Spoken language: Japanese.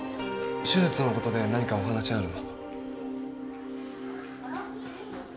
手術のことで何かお話あるの？